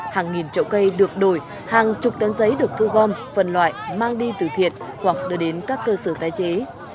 hàng nghìn trậu cây được đổi hàng chục tấn giấy được thu gom phần loại mang đi từ thiện hoặc đưa đến các cơ sở tái chế